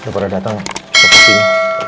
udah pada datang kita pusing